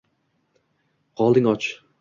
qolding och.